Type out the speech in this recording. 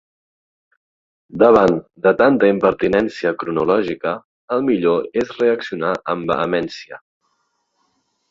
Davant de tanta impertinència cronològica, el millor és reaccionar amb vehemència.